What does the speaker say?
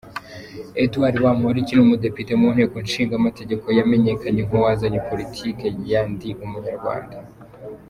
Edouard Bamporiki ni umudepite mu nteko ishingamategeko yamenyekanye nk’uwazanye politiki ya ndi umunyarwanda.